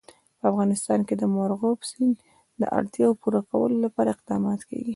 په افغانستان کې د مورغاب سیند د اړتیاوو پوره کولو لپاره اقدامات کېږي.